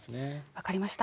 分かりました。